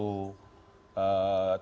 terminologi yang berbeda